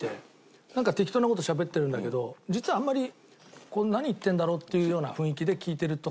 なんか適当な事をしゃべってるんだけど実はあんまり「何言ってるんだろう？」っていうような雰囲気で聞いてるとか。